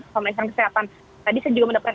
pemeriksaan kesehatan tadi saya juga mendapatkan